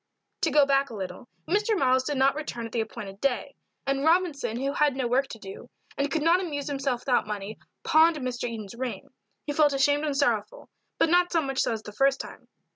To go back a little. Mr. Miles did not return at the appointed day; and Robinson, who had no work to do, and could not amuse himself without money, pawned Mr. Eden's ring. He felt ashamed and sorrowful, but not so much so as the first time.